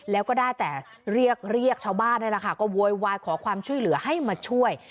แล้วก็ได้แต่เรียกเรียกชาวบ้านนี่แหละค่ะก็โวยวายขอความช่วยเหลือให้มาช่วย